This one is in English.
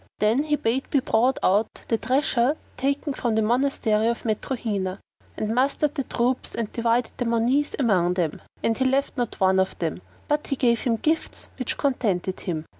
Then he bade be brought out the treasure taken from the Monastery of Matruhina; and mustered the troops and divided the monies among them, and he left not one of them but he gave him gifts which contented him.